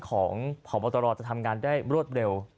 ต้องดูธรรมดรจะทำงานได้รวดเร็ว